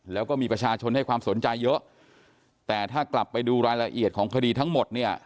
แล้วก็มีประชาชนให้ความสนใจเยอะแต่ถ้ากลับไปดูรายละเอียดของคดีทั้งหมดเนี่ย